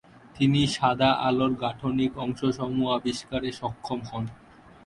তিনি সাদা আলোর গাঠনিক অংশসমূহ আবিষ্কারে সক্ষম হন।